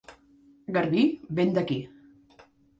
Garbí, vent d'aquí.